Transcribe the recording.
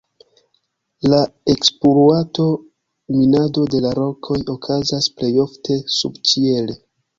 La ekspluato, minado de la rokoj okazas plej ofte subĉiele.